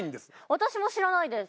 私も知らないです。